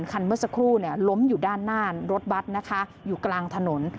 เมื่อสักครู่เนี่ยล้มอยู่ด้านหน้ารถบัตรนะคะอยู่กลางถนน